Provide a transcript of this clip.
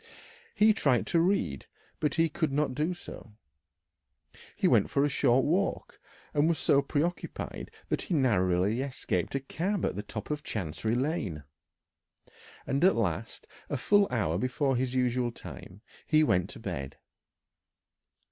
He tried to read, but he could not do so; he went for a short walk, and was so preoccupied that he narrowly escaped a cab at the top of Chancery Lane; and at last a full hour before his usual time he went to bed.